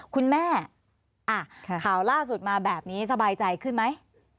คุณแม่ข่าวล่าสุดมาแบบนี้สบายใจขึ้นไหม